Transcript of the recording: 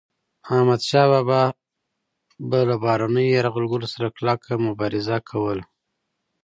احمدشاه بابا به له بهرنيو یرغلګرو سره کلکه مبارزه کوله.